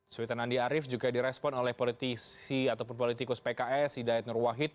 cuitan andi arief juga direspon oleh politisi ataupun politikus pks hidayat nur wahid